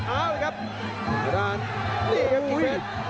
ไปด้านมันนี่ครับกิมเวท